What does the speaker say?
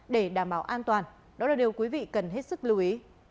để đảm bảo an toàn đó là điều quý vị cần hết sức lưu ý